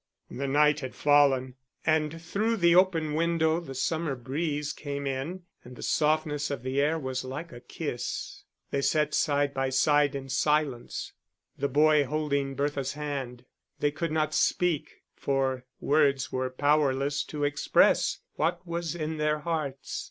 The night had fallen, and through the open window the summer breeze came in, and the softness of the air was like a kiss. They sat side by side in silence, the boy holding Bertha's hand; they could not speak, for words were powerless to express what was in their hearts.